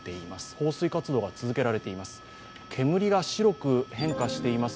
放水活動が続けられています。